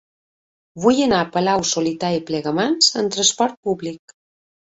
Vull anar a Palau-solità i Plegamans amb trasport públic.